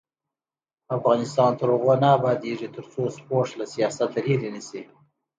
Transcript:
افغانستان تر هغو نه ابادیږي، ترڅو سپورټ له سیاسته لرې نشي.